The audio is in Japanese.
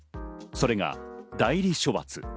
それが代理処罰。